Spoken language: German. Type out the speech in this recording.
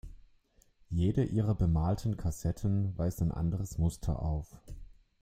Jede ihrer bemalten Kassetten weist ein anderes Muster auf.